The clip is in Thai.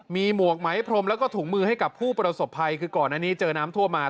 มีหมวกไหมพรมแล้วก็ถุงมือให้กับผู้ประสบภัยคือก่อนอันนี้เจอน้ำท่วมมา